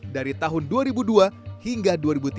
dari tahun dua ribu dua hingga dua ribu tiga